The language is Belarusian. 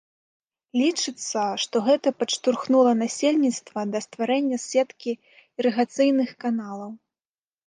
Лічыцца, што гэта падштурхнула насельніцтва да стварэння сеткі ірыгацыйных каналаў.